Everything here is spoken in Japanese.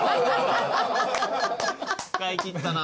使い切ったな。